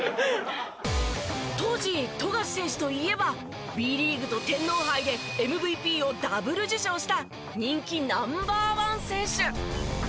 当時富樫選手といえばＢリーグと天皇杯でＭＶＰをダブル受賞した人気ナンバー１選手。